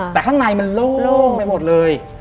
แต่ข้างในมันโล่งมากเลย